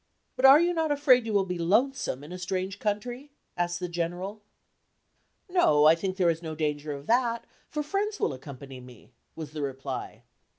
"But are you not afraid you will be lonesome in a strange country?" asked the General. "No, I think there is no danger of that, for friends will accompany me," was the reply.